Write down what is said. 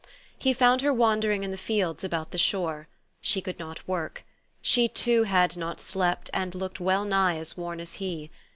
He found her wandering in the fields about the shore. She could not work. She, too, had not slept, and looked well nigh as worn as he.